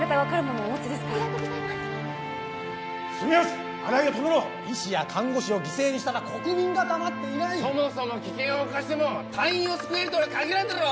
住吉新井を止めろ医師や看護師を犠牲にしたら国民が黙っていないそもそも危険を冒しても隊員を救えるとは限らんだろう